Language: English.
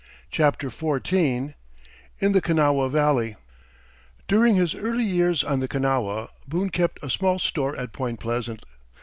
CHAPTER XIV IN THE KANAWHA VALLEY During his early years on the Kanawha, Boone kept a small store at Point Pleasant.